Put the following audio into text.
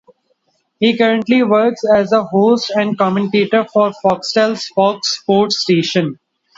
He currently works as a host and commentator for Foxtel's Fox Sports station.